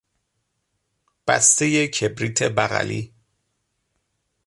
بستهی کبریت بغلی